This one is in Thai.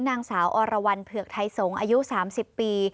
นางสาวอรวรรณเผือกไทยสงฆ์อายุ๓๐ปี